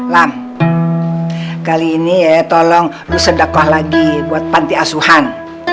nam kali ini ya tolong lu sedekoh lagi buat panti asuhan